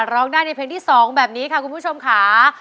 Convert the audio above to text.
ร้องได้ในเพลงที่๒แบบนี้ค่ะคุณผู้ชมค่ะ